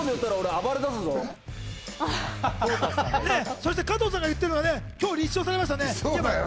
そして加藤さんが言ってるのは今日立証されましたね。